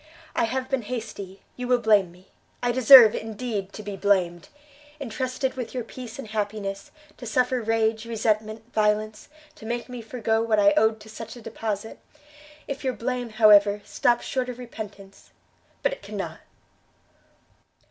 I have been hasty, you will blame me; I deserve, indeed, to be blamed! entrusted with your peace and happiness, to suffer rage, resentment, violence, to make me forego what I owed to such a deposite! If your blame, however, stops short of repentance but it cannot!"